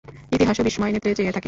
ইতিহাসও বিস্ময় নেত্রে চেয়ে থাকে।